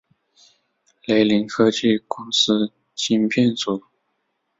雷凌科技公司晶片组。